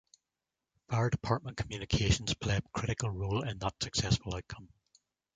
Fire department communications play a critical role in that successful outcome.